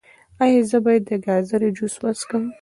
ایا زه باید د ګازرې جوس وڅښم؟